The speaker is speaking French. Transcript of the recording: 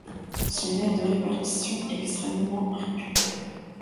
Son aire de répartition est extrêmement réduite.